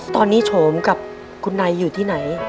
ตอนนี้โฉมกับคุณนายอยู่ที่ไหน